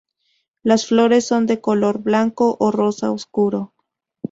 Las flores son de color blanco o rosa oscuro.